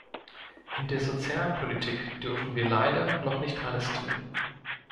In der Sozialpolitik dürfen wir leider noch nicht alles tun.